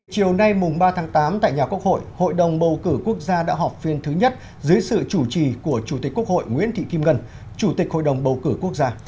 chiều nay mùng ba tháng tám tại nhà quốc hội hội đồng bầu cử quốc gia đã họp phiên thứ nhất dưới sự chủ trì của chủ tịch quốc hội nguyễn thị kim ngân chủ tịch hội đồng bầu cử quốc gia